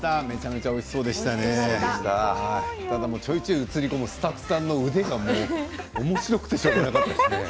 ちょいちょい映り込むスタッフさんの腕がおもしろくてしょうがない。